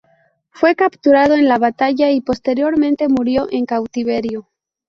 Fue capturado en la batalla, y posteriormente murió en cautiverio.